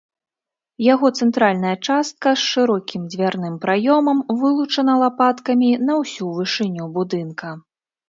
Яго цэнтральная частка з шырокім дзвярным праёмам вылучана лапаткамі на ўсю вышыню будынка.